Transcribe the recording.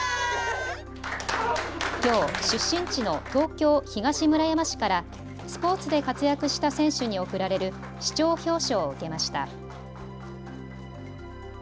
きょう出身地の東京東村山市からスポーツで活躍した選手に贈られる市長表彰を受けました。